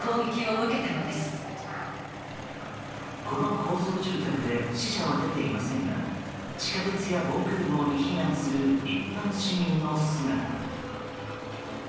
この高層住宅で死者は出ていませんが地下鉄や防空壕に避難する一般市民の姿が。